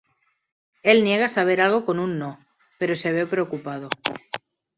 Él niega saber algo con un "no", pero se ve preocupado.